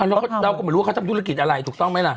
เราก็ไม่รู้ว่าเขาทำธุรกิจอะไรถูกต้องไหมล่ะ